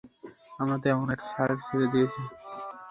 আমরাও তেমন একটা ষাঁড় ছেড়ে দিয়েছি।